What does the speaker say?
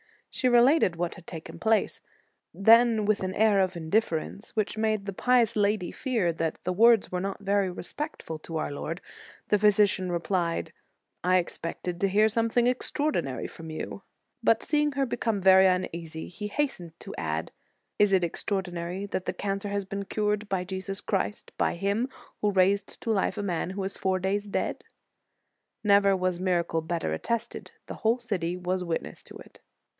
She related what had taken place. Then with an air of in difference, which made the pious lady fear that the words were not very respectful tp our i 7 2 The Sign of the Cross Lord, the physician replied: I expected to hear something extraordinary from you ! But seeing her become very uneasy, he has tened to add: Is it extraordinary that the cancer has been cured by Jesus Christ, by Him who raised to life a man who was four days dead? "* Never was miracle better attested; the whole city was witness to it.